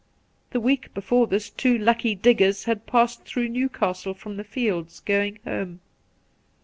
The week before this two lucky diggers had passed through Newcastle from the fields, going' home.